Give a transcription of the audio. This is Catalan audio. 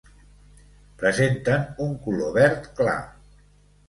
Presenten un color verd clar.